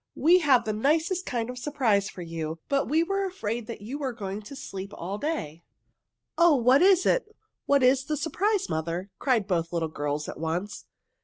"We have the nicest kind of a surprise for you, but we were afraid you were going to sleep all day." "Oh, what is it? What is the surprise, mother?" cried both little girls at once.